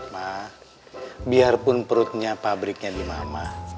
mak biarpun perutnya pabriknya di mama